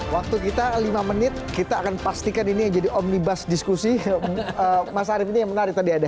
waktu kita lima menit kita akan pastikan ini yang jadi omnibus diskusi mas arief ini yang menarik tadi ada